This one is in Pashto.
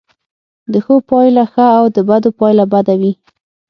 د ښو پایله ښه او د بدو پایله بده وي.